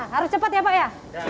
harus cepat ya pak ya